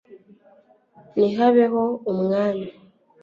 nihabeho umwami